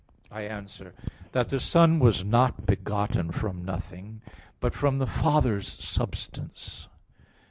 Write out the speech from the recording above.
I answer that, The Son was not begotten from nothing, but from the Father's substance.